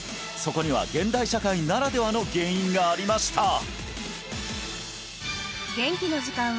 そこには現代社会ならではの原因がありました！